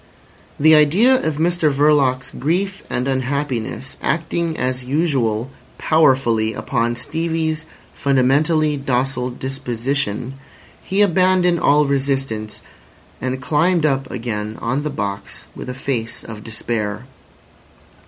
The idea of Mr Verloc's grief and unhappiness acting as usual powerfully upon Stevie's fundamentally docile disposition, he abandoned all resistance, and climbed up again on the box, with a face of despair.